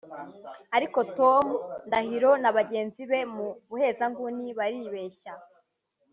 Ariko Tom Ndahiro na bagenzi be mu buhezanguni baribeshyaÂ